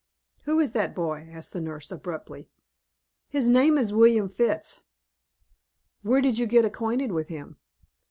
"Who is that boy?" asked the nurse, abruptly. "His name is William Fitts." "Where did you get acquainted with him?"